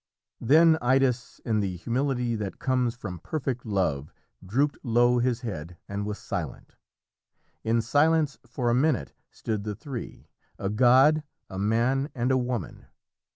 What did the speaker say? Then Idas, in the humility that comes from perfect love, drooped low his head, and was silent. In silence for a minute stood the three a god, a man, and a woman.